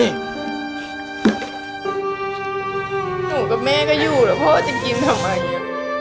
หนูกับแม่ก็อยู่แล้วพ่อจะกินทำไม